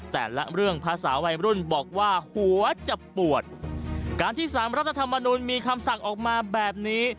แต่ละเรื่องภาษาวัยรุ่นบอกว่าหัวจะปวดการที่สามรัฐธรรมนุนมีคำสั่งออกมาแบบนี้